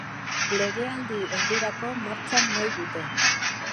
Legealdi erdirako martxan nahi dute.